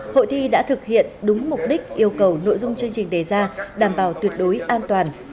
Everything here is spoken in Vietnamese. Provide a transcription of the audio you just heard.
hội thi đã thực hiện đúng mục đích yêu cầu nội dung chương trình đề ra đảm bảo tuyệt đối an toàn